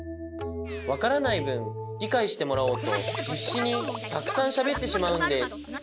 わからないぶんりかいしてもらおうとひっしにたくさんしゃべってしまうんです。